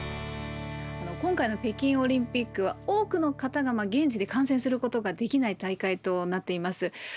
今回の北京オリンピックは多くの方が現地で観戦することができない大会となっています。